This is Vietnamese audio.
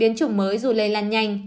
biến chủng mới dù lây lan nhanh